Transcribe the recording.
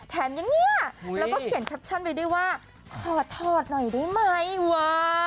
อย่างนี้แล้วก็เขียนแคปชั่นไว้ด้วยว่าขอถอดหน่อยได้ไหมวะ